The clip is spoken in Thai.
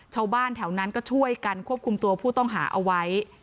ชาวบ้านแถวนั้นก็ช่วยกันควบคุมตัวผู้ต้องหาเอาไว้